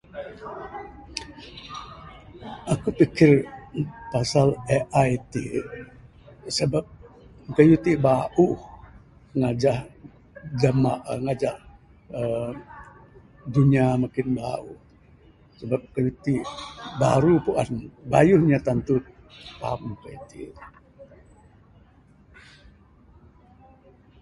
Akuk pikir pasal AI tik. Sebab kayuh tik bauh ngajah jaman, ngajah uhh dunya makin bauh. Sebab kayuh tik baru puan. Bayuh nya tantu faham kayuh tik.